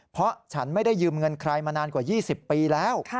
เพราะฉันไม่ได้ยืมเงินใครมานานกว่า๒๐ปีแล้ว